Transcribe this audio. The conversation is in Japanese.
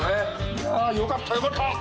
いやよかったよかった！